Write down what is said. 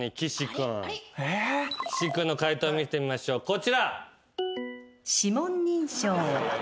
岸君の解答見てみましょうこちら。